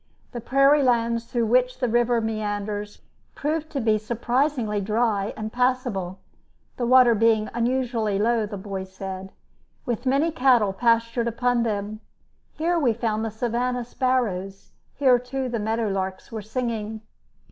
The prairie lands through which the river meanders proved to be surprisingly dry and passable (the water being unusually low, the boy said), with many cattle pastured upon them. Here we found the savanna sparrows; here, too, the meadow larks were singing.